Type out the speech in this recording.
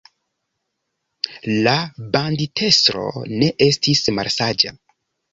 La banditestro ne estis malsaĝa.